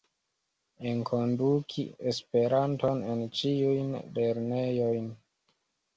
Enkonduki Esperanton en ĉiujn lernejojn.